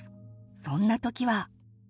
そんな時は？